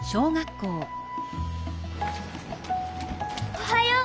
おはよう！